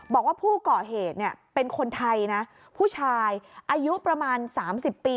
บอกว่าผู้ก่อเหตุเนี่ยเป็นคนไทยนะผู้ชายอายุประมาณ๓๐ปี